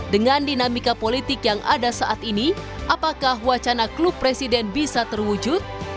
dengan dinamika politik yang ada saat ini apakah wacana klub presiden bisa terwujud